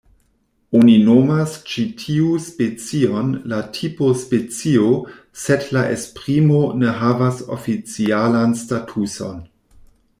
Oni nomas ĉi tiu specion la "tipo-specio" sed la esprimo ne havas oficialan statuson.